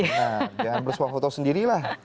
nah jangan bersuah foto sendirilah